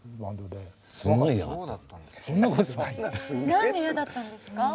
何で嫌だったんですか？